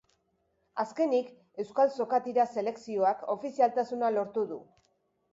Azkenik, euskal sokatira selekzioak ofizialtasuna lortu du.